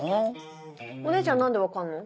お姉ちゃん何で分かんの？